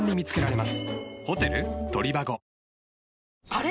あれ？